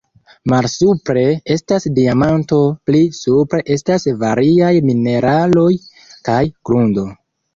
Malsupre estas diamanto, pli supre estas variaj mineraloj kaj grundo.